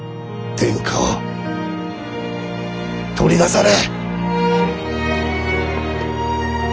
天下を取りなされ！